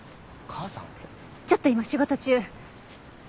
ちょっと今仕事中。